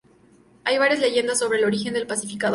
Hay varias leyendas sobre el origen del Pacificador.